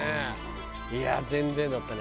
いや全然だったね